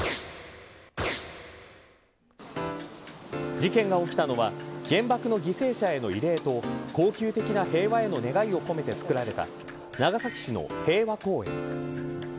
事件が起きたのは原爆の犠牲者への慰霊と恒久的な平和への願いを込めて作られた長崎市の平和公園。